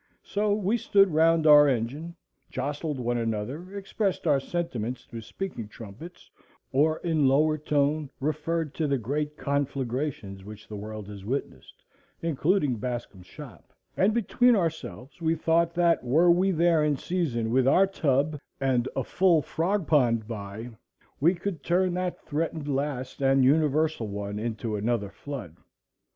So we stood round our engine, jostled one another, expressed our sentiments through speaking trumpets, or in lower tone referred to the great conflagrations which the world has witnessed, including Bascom's shop, and, between ourselves, we thought that, were we there in season with our "tub," and a full frog pond by, we could turn that threatened last and universal one into another flood.